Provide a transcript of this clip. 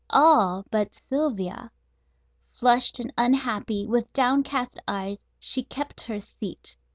All but Sylvia. Flushed and unhappy, with downcast eyes, she kept her seat.